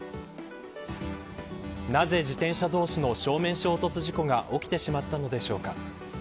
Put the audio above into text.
なぜ自転車同士の正面衝突事故が起きてしまったのでしょうか。